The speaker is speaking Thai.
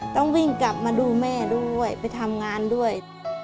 ต้องวิ่งกลับมาดูแม่ด้วยไปทำงานด้วย